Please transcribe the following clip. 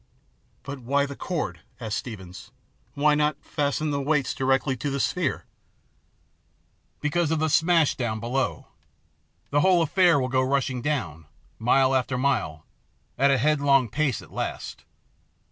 "But why the cord?" asked Steevens. "Why not fasten the weights directly to the sphere ?"" Because of the smash down below. The whole affair will go rushing down, mile after mile, at a headlong pace at last.